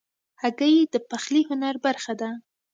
هګۍ د پخلي هنر برخه ده.